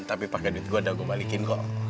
tapi pakai duit gue udah gue balikin kok